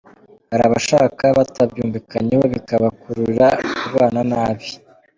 Hari abashakana batabyumvikanyeho bikabakururira kubana nabi